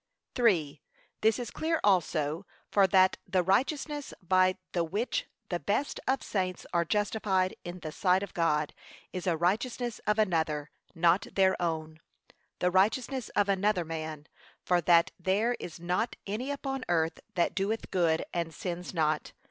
3. This is clear also, for that the righteousness, by the which the best of saints are justified in the sight of God, is a righteousness of another, not their own; the righteousness of another man, for that there is not any upon earth that doth good and sins not.